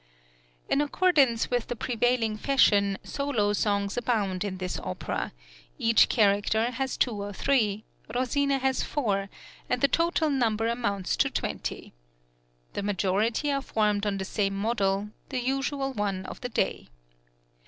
In accordance with the prevailing fashion, solo songs abound in this opera; each character has two or three, Rosine has four, and the total number amounts to twenty. The majority are formed on the same model, the usual one of the day.